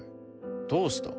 どうした？